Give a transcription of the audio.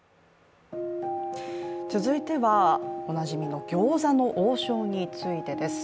続いては、おなじみの餃子の王将についてです。